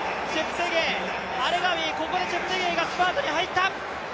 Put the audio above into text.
ここでチェプテゲイがスパートに入った。